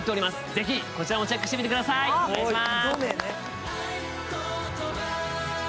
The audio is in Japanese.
ぜひこちらもチェックしてみてください、お願いします。